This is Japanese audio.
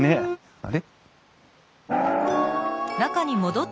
あれ？